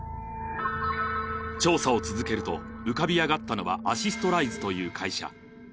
調査を続けると、浮かび上がったのはアシストライズという会社。